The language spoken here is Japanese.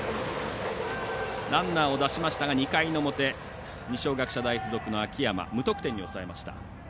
ランナーを出しましたが２回の表、二松学舎大付属の秋山無得点に抑えました。